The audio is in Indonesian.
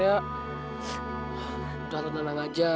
udah tenang tenang aja